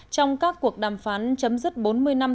trong các cuộc đàm phán chấm dứt bốn mươi năm